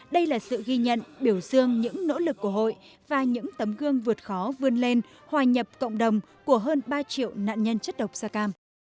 đây là sự ghi nhận biểu dương những nỗ lực của hội và những tấm gương vượt khó vươn lên hòa nhập cộng đồng của hơn ba triệu nạn nhân chất độc da cam